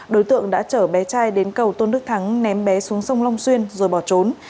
đối tượng đã chở bé trai đến cầu tôn đức thắng ném bé xuống sông long xuyên rồi bỏ trốn